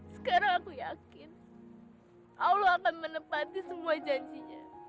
sekarang aku yakin allah akan menepati semua janjinya